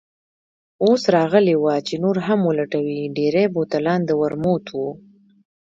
اوس راغلې وه چې نور هم ولټوي، ډېری بوتلان د ورموت وو.